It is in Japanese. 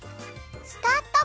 スタート！